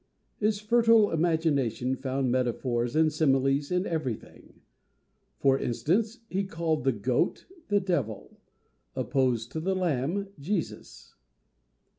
His fertile imagination found metaphors and similes in everything: for instance, he called the goat the Devil, opposed to the lamb, Jesus.